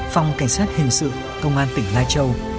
phòng cảnh sát hình sự công an tỉnh lai châu